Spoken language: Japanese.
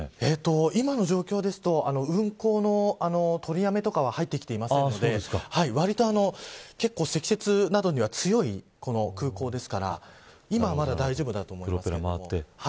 今の状況だと運航の取りやめとかは入ってきていませんので積雪などには強い空港ですから今は、まだ大丈夫だと思います。